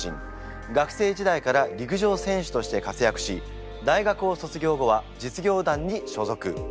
学生時代から陸上選手として活躍し大学を卒業後は実業団に所属。